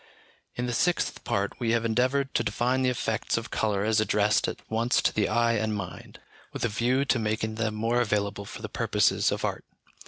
In the sixth part we have endeavoured to define the effects of colour as addressed at once to the eye and mind, with a view to making them more available for the purposes of art.